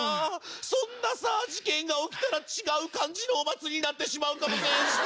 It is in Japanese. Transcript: そんなさ事件が起きたら違う感じのお祭りになってしまうかもせえへんしさ。